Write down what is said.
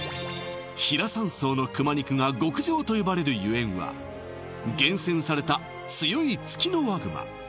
比良山荘の熊肉が極上とよばれるゆえんは厳選された強いツキノワグマ